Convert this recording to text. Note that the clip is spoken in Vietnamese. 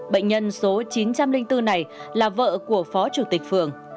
bệnh nhân số chín trăm linh bốn này là vợ của phó chủ tịch phường